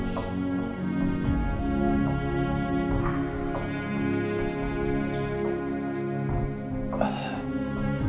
kok sama kalau